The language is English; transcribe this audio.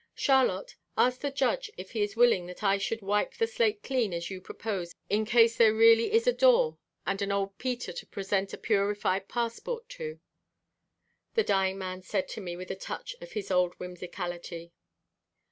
"Charlotte, ask the judge if he is willing that I should wipe the slate clean as you propose in case there really is a door and an old Peter to present a purified passport to," the dying man said to me with a touch of his old whimsicality.